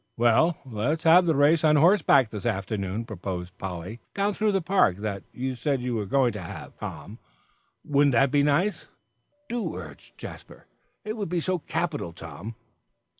"Well, let's have the race on horseback this afternoon," proposed Polly, "down through the park, that you said you were going to have, Tom. Wouldn't that be nice?" "Do," urged Jasper. "It would be so capital, Tom."